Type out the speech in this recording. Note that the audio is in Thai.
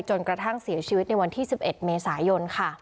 จนกระทั่งเสียชีวิตในวันที่๑๑เมษายนค่ะ